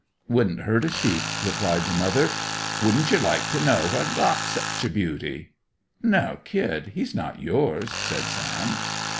"Wouldn't hurt a sheep," replied the mother. "Wouldn't yer like to know where I got such a beauty?" "No kid. He's not yours," said Sam.